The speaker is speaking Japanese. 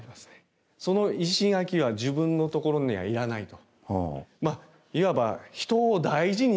その石垣は自分のところには要らないと。